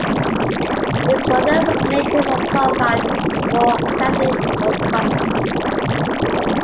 His mother was a native of Clonfad, Moore, County Roscommon.